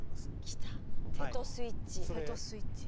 来たテトスイッチ。